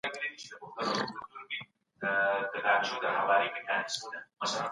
ښوونکي وويل چي د مفرور ناول ډېر جالبه دی.